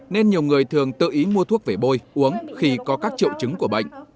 nên nhiều người thường tự ý mua thuốc về bôi uống khi có các triệu chứng của bệnh